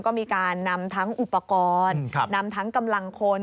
ก็มีการนำทั้งอุปกรณ์นำทั้งกำลังคน